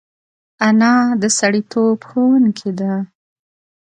انا د سړیتوب ښوونکې ده